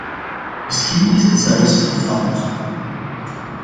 Misschien is het zelfs een fout.